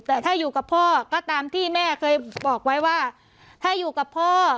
แต่ถ้าอยู่กับพ่อก็ตามที่แม่เคยบอกไว้ว่าถ้าอยู่กับพ่อ